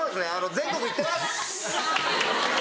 全国いってます！